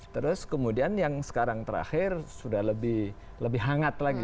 terus kemudian yang sekarang terakhir sudah lebih hangat lagi